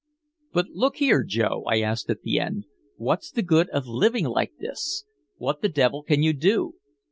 "But look here, Joe," I asked at the end, "what's the good of living like this? What the devil can you do?"